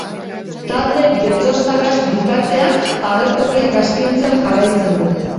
Talde getxoztarrak, bitartean, agertokiak astintzen jarraitzen du.